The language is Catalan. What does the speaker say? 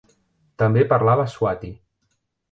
També parlava swathi.